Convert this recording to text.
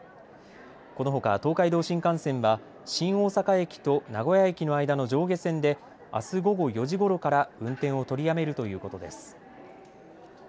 このほか東海道新幹線は新大阪駅と名古屋駅の間の上下線であす午後４時ごろから運転を取りやめるということです。